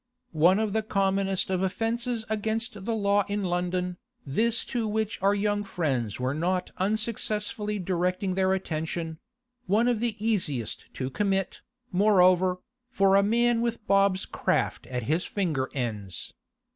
One of the commonest of offences against the law in London, this to which our young friends were not unsuccessfully directing their attention; one of the easiest to commit, moreover, for a man with Bob's craft at his finger ends.